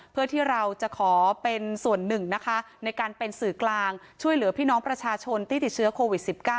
เพื่อที่เราจะขอเป็นส่วนหนึ่งนะคะในการเป็นสื่อกลางช่วยเหลือพี่น้องประชาชนที่ติดเชื้อโควิด๑๙